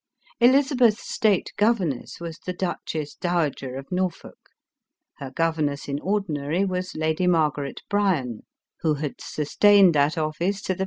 Elizabeth's state governess was the duchess dowa ger of Norfolk ; her governess in ordinary was lady Margaret Bryan, who had sustained that office to the ELIZABETH OF ENGLAND.